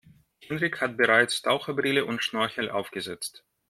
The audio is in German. Henrik hat bereits Taucherbrille und Schnorchel aufgesetzt.